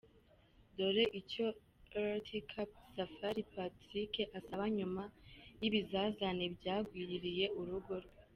Dore icyo Rt.Capt Safari Patrick asaba nyuma y’ibizazane byagwiririye urugo rwe